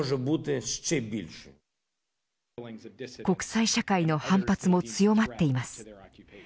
国際社会の反発も強まっています。